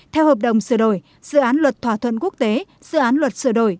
theo hợp đồng sửa đổi dự án luật thỏa thuận quốc tế dự án luật sửa đổi